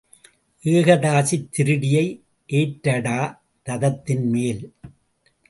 ஏகாதசித் திருடியை ஏற்றடா ரதத்தின்மேல்.